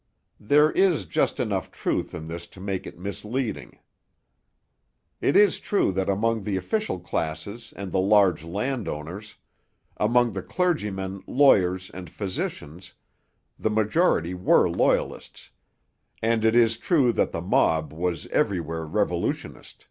There is just enough truth in this to make it misleading. It is true that among the official classes and the large landowners, among the clergymen, lawyers, and physicians, the majority were Loyalists; and it is true that the mob was everywhere revolutionist.